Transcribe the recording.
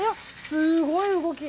すごい動き。